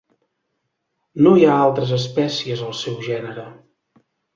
No hi ha altres espècies al seu gènere.